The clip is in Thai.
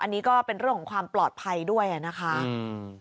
อันนี้ก็เป็นเรื่องของความปลอดภัยด้วยอ่ะนะคะอืม